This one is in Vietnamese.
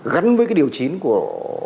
gắn với cái điều chính của